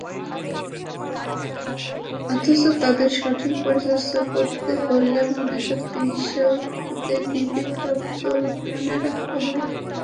অথচ তাদের সঠিক পরিচর্যা করতে হলে মনোরোগ চিকিৎসকদের নিবিড় তত্ত্বাবধানে রাখতে হবে।